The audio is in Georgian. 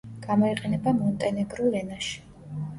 გამოიყენება მონტენეგრულ ენაში.